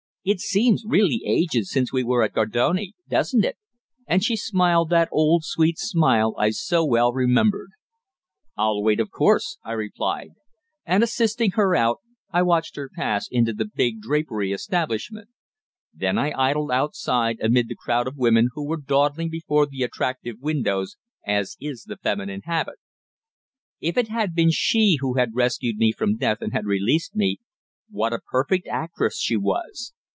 It seems really ages since we were at Gardone, doesn't it?" and she smiled that old sweet smile I so well remembered. "I'll wait, of course," I replied, and, assisting her out, I watched her pass into the big drapery establishment. Then I idled outside amid the crowd of women who were dawdling before the attractive windows, as is the feminine habit. If it had been she who had rescued me from death and had released me, what a perfect actress she was.